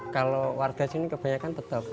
kalau warga sini kebanyakan tetap